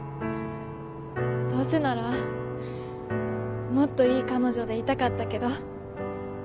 どうせならもっといい彼女でいたかったけど。